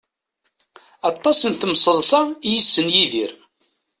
Aṭas n temseḍṣa i yessen Yidir.